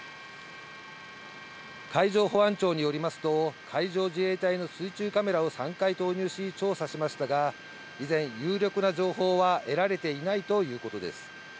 海上保安庁によりますと、海上自衛隊の水中カメラを３回投入し、調査しましたが、依然、有力な情報は得られていないということです。